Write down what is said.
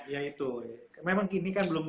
ya itu memang kini kan belum